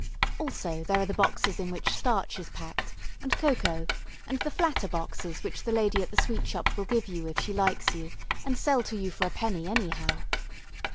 Also there are the boxes in which starch is packed, and cocoa, and the flatter boxes which the lady at the sweet shop will give you if she likes you, and sell to you for a penny anyhow.